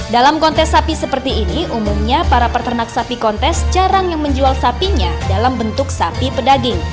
dalam kontes sapi seperti ini umumnya para peternak sapi kontes jarang yang menjual sapinya dalam bentuk sapi pedaging